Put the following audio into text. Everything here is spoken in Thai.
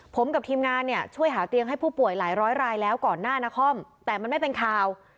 ผมกับทีมงานเนี่ยช่วยหาเตียงให้ผู้ป่วยหลายร้อยรายแล้วก่อนหน้านครแต่มันไม่เป็นข่าว